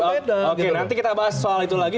oke nanti kita bahas soal itu lagi